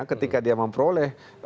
ketika dia memperoleh